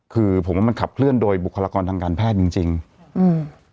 คือผมว่ามันกับเพิ่มโดยบุคลกรธัรมแพทจริงจริงอืมแต่